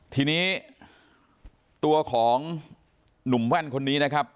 ทีนี้ตัวของหนุ่มแว่นคนนี้นะครับ